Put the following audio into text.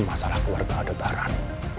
masalah keluarga debaran